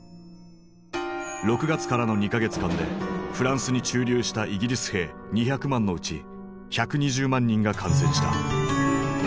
６月からの２か月間でフランスに駐留したイギリス兵２００万のうち１２０万人が感染した。